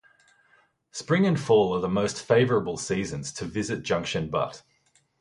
Spring and fall are the most favorable seasons to visit Junction Butte.